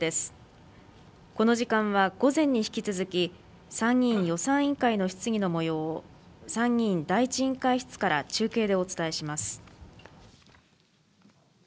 この時間は午前に引き続き、参議院予算委員会の質疑をもようを、参議院第１委員会室から中継でお伝えします。